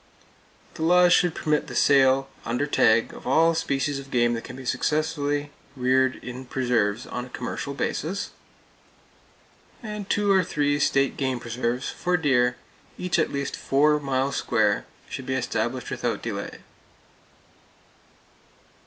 The laws should permit the sale, under tag, of all species of game that can successfully be reared in preserves on a commercial basis. Two or three state game preserves, for deer, each at least four miles square, should be established without delay.